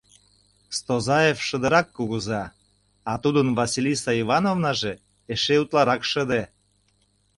Стозаев шыдырак кугыза, а тудын Василиса Ивановнаже эше утларак шыде.